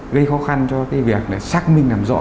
gây khó khăn cho việc xác minh làm rõ